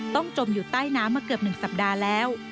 จมอยู่ใต้น้ำมาเกือบ๑สัปดาห์แล้ว